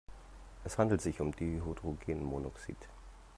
Es handelt sich um Dihydrogenmonoxid.